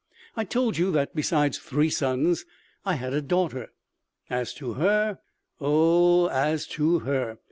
I told you that besides three sons I had a daughter ... as to her! Oh, as to her!...